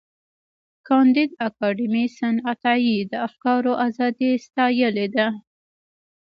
کانديد اکاډميسن عطایي د افکارو ازادي ستایلې ده.